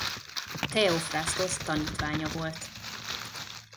Theophrasztosz tanítványa volt.